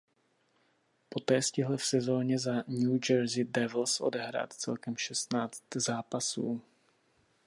Poté stihl v sezóně za New Jersey Devils odehrát celkem šestnáct zápasů.